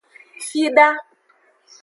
Fida.